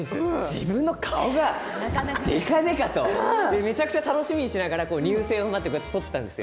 自分の顔がでかでかとめちゃくちゃ楽しみにしながら待って撮ったんですよ。